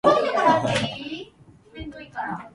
群馬県甘楽町